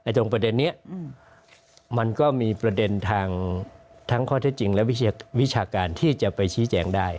ตรงประเด็นนี้มันก็มีประเด็นทางทั้งข้อเท็จจริงและวิชาการที่จะไปชี้แจงได้